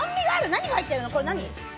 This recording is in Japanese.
何入ってるの？